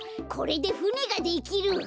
これでふねができる。